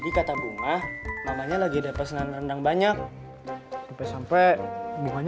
di kata bunga namanya lagi ada pesenan rendang banyak sampai sampai buahnya